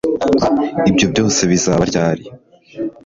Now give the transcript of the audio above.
ibyo byose bizaba ryari